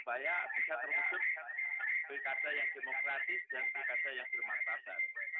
supaya bisa terkutuk di kaca yang demokratis dan di kaca yang bermakna